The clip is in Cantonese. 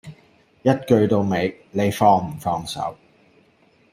一句到尾，你放唔放手